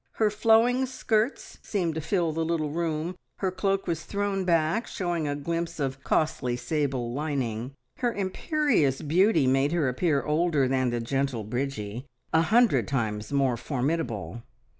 Her flowing skirts seemed to fill the little room; her cloak was thrown back, showing a glimpse of costly sable lining; her imperious beauty made her appear older than the gentle Bridgie, a hundred times more formidable.